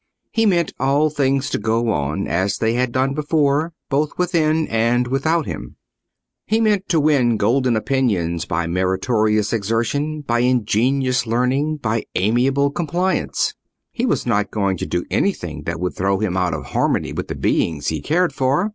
He meant all things to go on as they had done before, both within and without him: he meant to win golden opinions by meritorious exertion, by ingenious learning, by amiable compliance: he was not going to do anything that would throw him out of harmony with the beings he cared for.